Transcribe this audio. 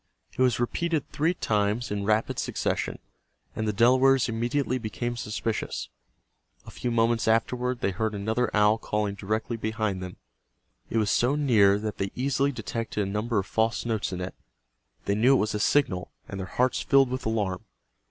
It was repeated three times in rapid succession, and the Delawares immediately became suspicious. A few moments afterward they heard another owl calling directly behind them. It was so near that they easily detected a number of false notes in it. They knew it was a signal, and their hearts filled with alarm.